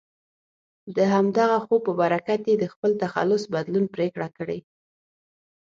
د همدغه خوب په برکت یې د خپل تخلص بدلون پرېکړه کړې.